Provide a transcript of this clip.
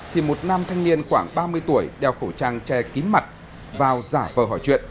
thì một nam thanh niên khoảng ba mươi tuổi đeo khẩu trang che kín mặt vào giả vờ hỏi chuyện